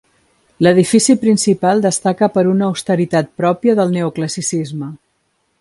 L'edifici principal destaca per una austeritat pròpia del neoclassicisme.